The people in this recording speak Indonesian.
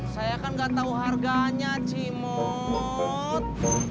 saya kan nggak tau harganya ci mut